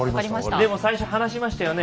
でも最初に話しましたよね。